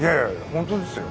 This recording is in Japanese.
本当ですよ。